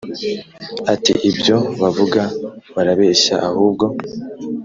ati ibyo bavuga barabeshya ahubwo